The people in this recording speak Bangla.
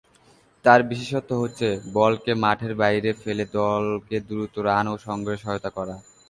তার বিশেষত্ব হচ্ছে বলকে মাঠের বাইরে ফেলে দলকে দ্রুত রান সংগ্রহে সহায়তা করা।